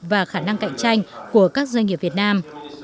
và khả năng cạnh tranh của các doanh nghiệp việt nam